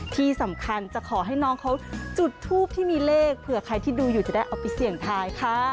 ที่สำคัญจะขอให้น้องเขาจุดทูปที่มีเลขเผื่อใครที่ดูอยู่จะได้เอาไปเสี่ยงทายค่ะ